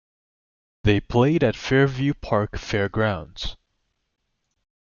They played at Fairview Park Fair Grounds.